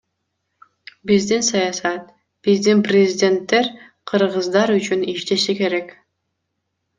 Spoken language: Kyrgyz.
Биздин саясат, биздин президенттер кыргыздар үчүн иштеши керек.